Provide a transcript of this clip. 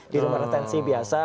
di rumah retensi biasa